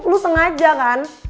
lo sengaja kan